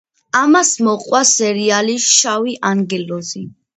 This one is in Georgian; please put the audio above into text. ამას მოჰყვა სერიალი „შავი ანგელოზი“.